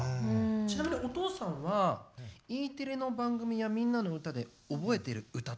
ちなみにお父さんはＥテレの番組や「みんなのうた」で覚えてる歌ってある？